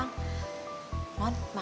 nggak fibernya siapa